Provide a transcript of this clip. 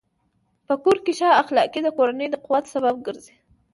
په کور کې ښه اخلاق د کورنۍ د قوت سبب ګرځي.